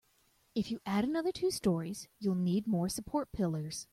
If you add another two storeys, you'll need more support pillars.